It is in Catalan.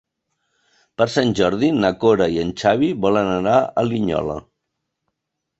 Per Sant Jordi na Cora i en Xavi volen anar a Linyola.